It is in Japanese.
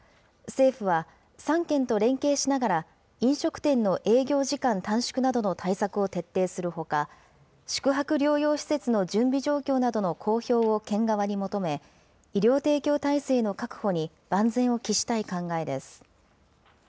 政府は、３県と連携しながら飲食店の営業時間短縮などの対策を徹底するほか、宿泊療養施設の準備状況などの公表を県側に求め、医療提供体制の確保に万全を期したい考えです。